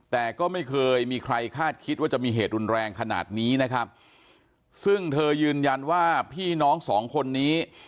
แต่ก็ไม่เคยมีใครคาดคิดว่าจะมีเหตุรุนแรงขนาดนี้นะครับซึ่งเธอยืนยันว่าพี่น้องสองคนนี้